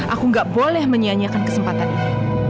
aku gak boleh menyianyikan kesempatan ini